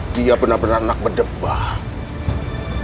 dia benar benar anak berdebat